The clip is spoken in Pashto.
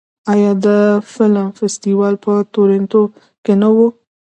آیا د فلم فستیوال په تورنټو کې نه وي؟